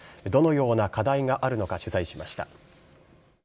どのような課題があるのか、取材しました。